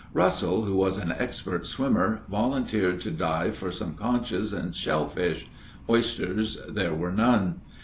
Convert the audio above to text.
Russell, who was an expert swimmer, volunteered to dive for some conchs and shell fish; oysters there were none.